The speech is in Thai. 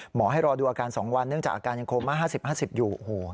หมอให้รอดูอาการ๒วันเนื่องจากอาการยังโคม่า๕๐๕๐อยู่